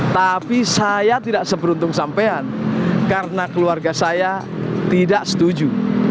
tapi saya tidak seberuntung sampean karena keluarga saya tidak setuju